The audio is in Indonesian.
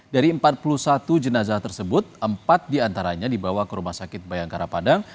dari empat puluh satu jenazah tersebut empat diantaranya dibawa ke rumah sakit bayangkara padang